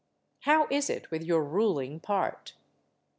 How is it with your ruling part?